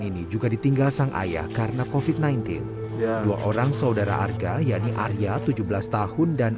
ini juga ditinggal sang ayah karena kofit sembilan belas dua orang saudara arga yani arya tujuh belas tahun dan